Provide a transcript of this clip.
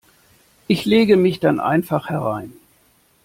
Ich lege mich dann einfach herein.